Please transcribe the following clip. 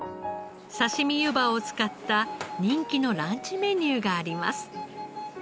さしみゆばを使った人気のランチメニューがあります。